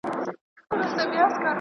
زه پرلهپسې ورتلم هغه ړوند نه و.